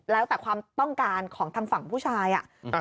แล้วแต่ความต้องการของทางฝั่งผู้ชายอ่ะ